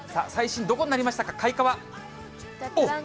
最新、どこになりましたか。